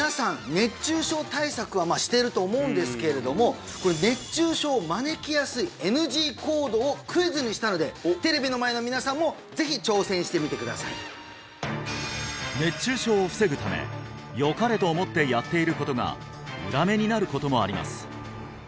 熱中症対策はしてると思うんですけれどもこれ熱中症を招きやすいＮＧ行動をクイズにしたのでテレビの前の皆さんもぜひ挑戦してみてください熱中症を防ぐためよかれと思ってやっていることが裏目になることもあります